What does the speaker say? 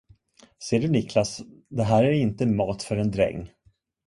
Ser du, Niklas, det här är inte mat för en dräng.